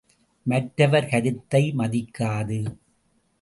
மற்றவர் கருத்தை மதிக்காது!